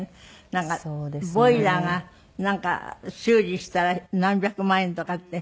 なんかボイラーが修理したら何百万円とかって。